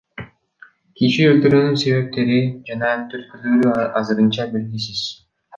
Киши өлтүрүүнүн себептери жана түрткүлөрү азырынча белгисиз.